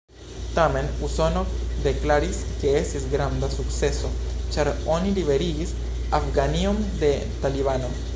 Tamen Usono deklaris, ke estis granda sukceso, ĉar oni liberigis Afganion de talibano.